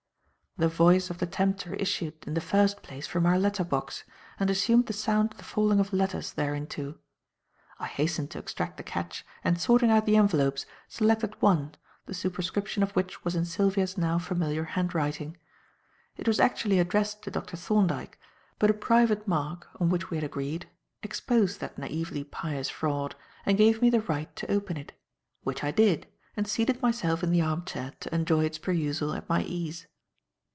The voice of the tempter issued in the first place from our letter box, and assumed the sound of the falling of letters thereinto. I hastened to extract the catch, and sorting out the envelopes, selected one, the superscription of which was in Sylvia's now familiar handwriting. It was actually addressed to Dr. Thorndyke, but a private mark, on which we had agreed, exposed that naively pious fraud and gave me the right to open it; which I did, and seated myself in the armchair to enjoy its perusal at my ease.